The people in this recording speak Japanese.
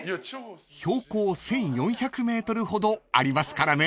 ［標高１，４００ｍほどありますからね］